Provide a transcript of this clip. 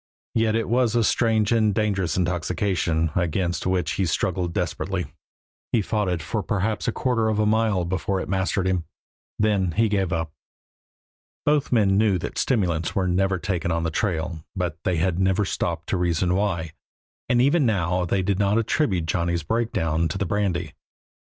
Yet it was a strange and dangerous intoxication, against which he struggled desperately. He fought it for perhaps a quarter of a mile before it mastered him; then he gave up. Both men knew that stimulants are never taken on the trail, but they had never stopped to reason why, and even now they did not attribute Johnny's breakdown to the brandy.